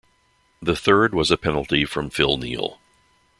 The third was a penalty from Phil Neal.